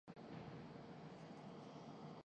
Motorway بند کردی گئی۔